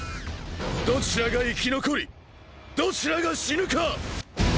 どちらが生き残りどちらが死ぬか。